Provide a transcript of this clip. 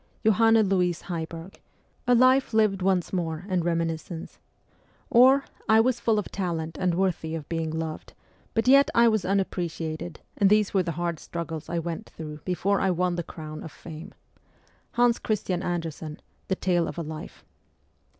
' (Johanne Louise Heiberg, ' A Life lived once more in Reminiscence '); or, ' I was full of talent and worthy of being loved, out yet I was unappreciated, and these were the hard struggles I went through before I won the crown of fame ' (Hans Christian Andersen, ' The Tale of a Life